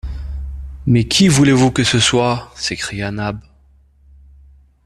Mais qui voulez-vous que ce soit? s’écria Nab.